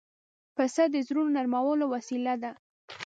پسه د زړونو نرمولو وسیله ده.